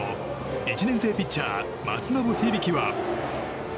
１年生ピッチャー松延響は。